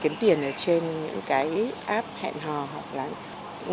hình dẫn nhau việc kiếm tiền trên những app hẹn hò